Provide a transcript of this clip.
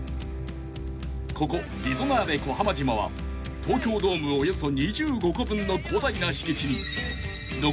［ここリゾナーレ小浜島は東京ドームおよそ２５個分の広大な敷地に］